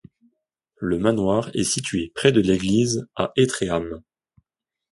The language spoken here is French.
Le manoir est situé près de l'église à Étréham.